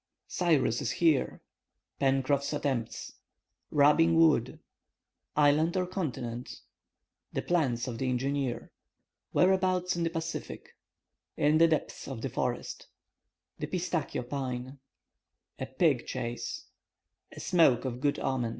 CYRUS IS HERE PENCROFF'S ATTEMPTS—RUBBING WOOD—ISLAND OR CONTINENT —THE PLANS OF THE ENGINEER—WHEREABOUTS IN THE PACIFIC—IN THE DEPTHS OF THE FOREST—THE PISTACHIO PINE—A PIG CHASE—A SMOKE OF GOOD OMEN.